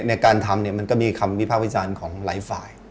ในการทำเนี่ยมันก็มีคำวิภาควิจารณ์ของหลายฝ่าย